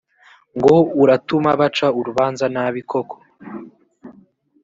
ngo uratuma baca urubanza nabi koko